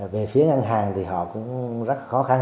về phía ngân hàng thì họ cũng rất khó khăn